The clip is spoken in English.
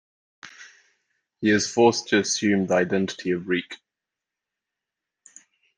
He is forced to assume the identity of Reek.